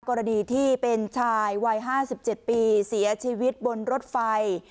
กรณีที่เป็นชายวัย๕๗ปีเสียชีวิตบนรถไฟ